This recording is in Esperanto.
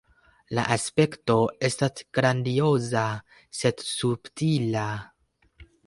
La aspekto estas grandioza sed subtila.